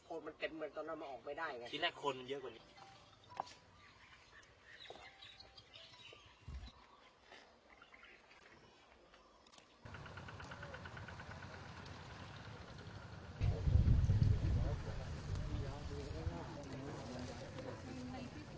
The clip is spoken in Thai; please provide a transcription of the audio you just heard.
เป็นเป็นเรื่องของข้างเขาข้างเทคนียมฝ่ายที่นี่